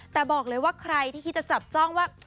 แต่บอกเลยว่าใครที่คิดจะจับจ้องว่า